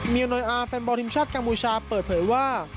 เมียน้อยอาร์แฟนบอลทีมชาติกัมพูชาเปิดเผยว่า